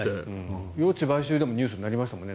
用地買収でもニュースになりましたよね。